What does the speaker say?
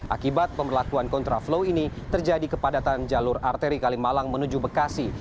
akibat pemberlakuan kontraflow ini terjadi kepadatan jalur arteri kalimalang menuju bekasi